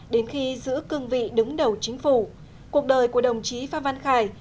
đến khi giữ cương vị đứng đầu chính phủ cuộc đời của đồng chí phan văn khải